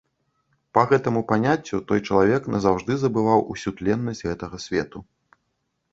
Па гэтаму паняццю, той чалавек назаўжды забываў усю тленнасць гэтага свету.